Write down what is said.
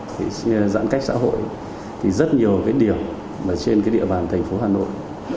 thì giãn cách xã hội thì rất nhiều cái điểm mà trên cái địa bàn thành phố hà nội